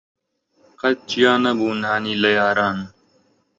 قەت جیا نەبوو نانی لە یاران